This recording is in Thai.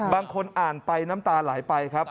บางคนอ่านไปน้ำตาไหลไปครับ